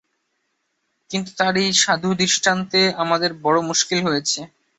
কিন্তু, তাঁর এই সাধু দৃষ্টান্তে আমাদের বড়ো মুশকিল হয়েছে।